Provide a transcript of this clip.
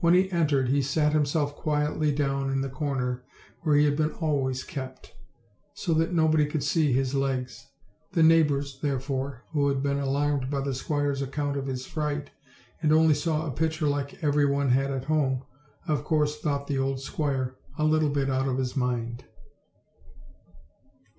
When he entered he sat himself quietly down in the corner where he had been always kept, so that nobody could see his legs. The neighbors, therefore, who had been alarmed by the squire's account of his fright, and only saw a pitcher like every one had at home, of course thought the old squire a little bit out of his mind.